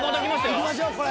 行きましょう！